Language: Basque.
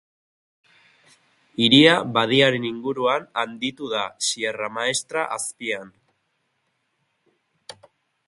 Hiria badiaren inguruan handitu da, Sierra Maestra azpian.